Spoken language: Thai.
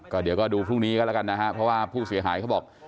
ก็เดี๋ยวก็ดูพรุ่งนี้ก็แล้วกันนะฮะเพราะว่าผู้เสียหายเขาบอก